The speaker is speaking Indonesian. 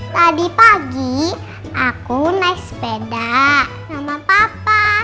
tadi pagi aku naik sepeda nama papa